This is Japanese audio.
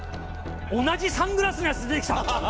同じサングラスのヤツ出てきた。